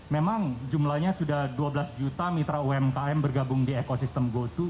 memang jumlahnya sudah dua belas juta mitra umkm bergabung di ekosistem go dua